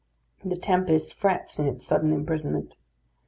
The tempest frets in its sudden imprisonment.